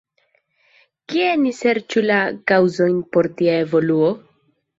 Kie ni serĉu la kaŭzojn por tia evoluo?